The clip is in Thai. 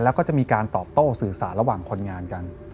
แล้วก็จะมีการตอบโต้สื่อสารระหว่างคนงานกัน